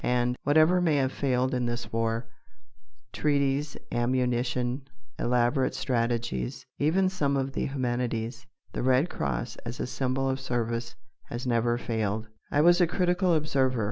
And, whatever may have failed in this war treaties, ammunition, elaborate strategies, even some of the humanities the Red Cross as a symbol of service has never failed. I was a critical observer.